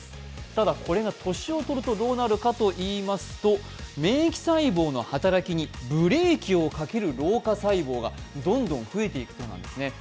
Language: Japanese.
ただ、これが年をとるとどうなるかといいますと、免疫細胞の働きにブレーキをかける老化細胞がどんどん増えていくそうなんですね。